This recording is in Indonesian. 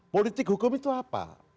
politik hukum itu apa